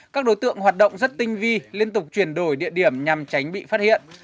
các đối tượng hoạt động rất tinh vi liên tục chuyển đổi địa điểm nhằm tránh bị phát hiện